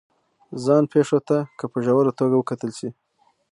ځان پېښو ته که په ژوره توګه وکتل شي